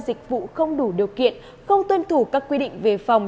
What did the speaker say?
dịch vụ không đủ điều kiện không tuân thủ các quy định về phòng